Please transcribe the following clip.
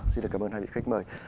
xin cảm ơn hai vị khách mời